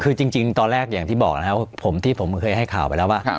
คือจริงตอนแรกอย่างที่บอกนะครับผมที่ผมเคยให้ข่าวไปแล้วว่า